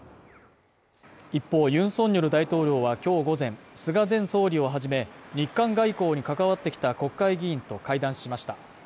一方、ユン・ソンニョル大統領は今日午前、菅前総理をはじめ、日韓外交に関わってきた国会議員と会談しました。